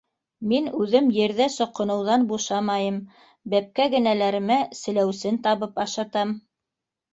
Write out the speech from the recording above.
—Мин үҙем ерҙә соҡоноуҙан бушамайым, бәпкә генәләремә селәүсен табып ашатам.